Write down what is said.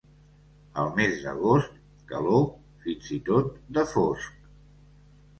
El mes d'agost, calor, fins i tot de fosc.